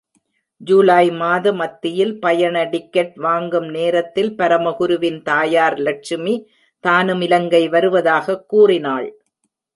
ஜூலை மாத மத்தியில் பயண டிக்கெட் வாங்கும் நேரத்தில் பரமகுருவின் தாயார் லட்சுமி, தானும் இலங்கை வருவதாகக் கூறினாள்.